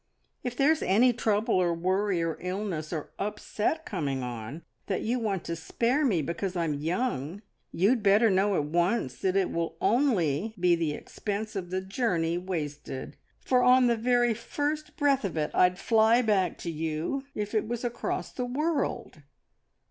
If there's any trouble, or worry, or illness, or upset coming on, that you want to spare me because I'm young, you'd better know at once that it will only be the expense of the journey wasted, for on the very first breath of it I'd fly back to you if it was across the world!"